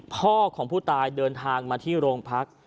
พ่อของผู้ตายเดินทางมาที่โรงพัก